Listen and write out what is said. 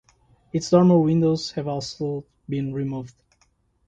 Its dormer windows have also been removed.